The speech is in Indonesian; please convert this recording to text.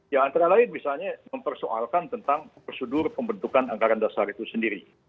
ya antara lain misalnya mempersoalkan tentang prosedur pembentukan anggaran dasar itu sendiri